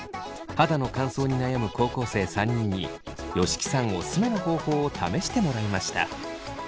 肌の乾燥に悩む高校生３人に吉木さんオススメの方法を試してもらいました。